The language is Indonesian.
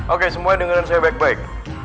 oke semua dengerin saya baik baik